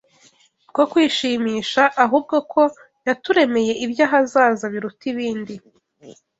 bwo kwishimisha, ahubwo ko yaturemeye iby’ahazaza biruta ibindi